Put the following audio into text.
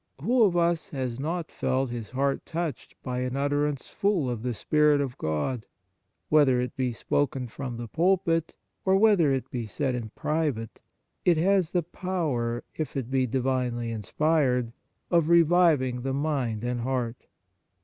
Who of us has not felt his heart touched by an utterance full of the spirit of God ? Whether it be spoken from the pulpit, or whether it be said in private, it has the power, if it be divinely inspired, of reviving the mind and heart.